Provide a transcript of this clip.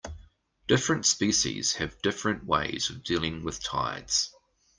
Different species have different ways of dealing with tides.